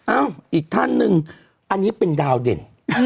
อีกท่านหนึ่งอันนี้เป็นดาวเด่น